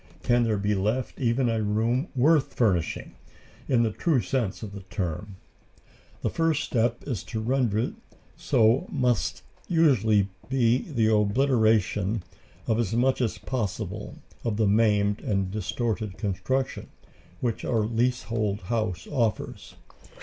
Can there be left even a room worth furnishing, in the true sense of the term? The first step to render it so must usually be the obliteration of as much as possible of the maimed and distorted construction, which our leasehold house offers.